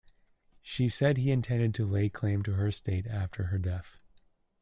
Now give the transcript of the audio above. She said he intended to lay claim to her estate after her death.